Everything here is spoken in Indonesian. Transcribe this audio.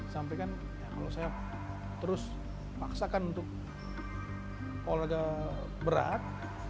sampai kan kalau saya terus paksakan untuk olahraga berat